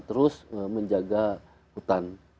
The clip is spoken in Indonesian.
terus menjaga hutan